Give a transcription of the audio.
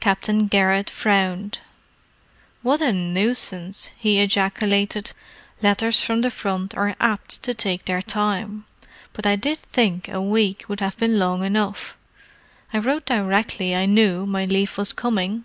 Captain Garrett frowned. "What a nuisance!" he ejaculated. "Letters from the front are apt to take their time, but I did think a week would have been long enough. I wrote directly I knew my leave was coming.